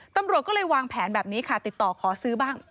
ตำรวจก็เลยวางแผนแบบนี้ค่ะติดต่อขอซื้อบ้าง